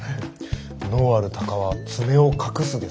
「能ある鷹は爪を隠す」ですね。